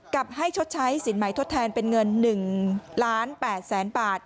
กับให้ชดใช้สินไหมทดแทนเป็นเงิน๑๘๐๐๐๐๐บาท